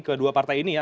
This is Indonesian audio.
kedua partai ini ya